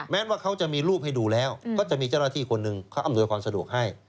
ว่าเขาจะมีรูปให้ดูแล้วก็จะมีเจ้าหน้าที่คนหนึ่งเขาอำนวยความสะดวกให้